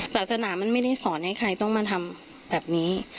ศาสนามันไม่ได้สอนให้ใครต้องมาทำแบบนี้